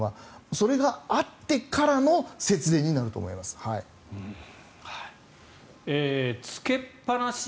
それがあってからの節電になると思います。